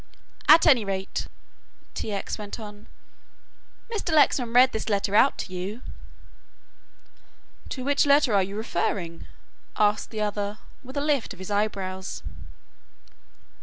"At any rate," T. X. went on, "when Mr. Lexman read this letter out to you..." "To which letter are you referring?" asked the other, with a lift of his eyebrows.